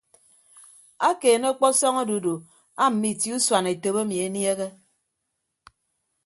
Akeene ọkpọsọñ odudu aamme itie usuan etop emi eniehe.